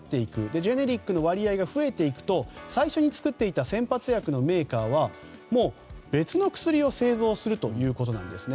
ジェネリックの割合が増えていくと最初に作っていた先発薬のメーカーは別の薬を製造するということなんですね。